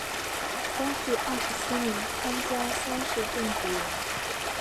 光绪二十七年参加乡试中举人。